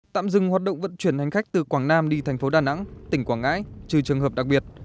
tạm dừng hoạt động vận chuyển hành khách từ quảng nam đi thành phố đà nẵng tỉnh quảng ngãi trừ trường hợp đặc biệt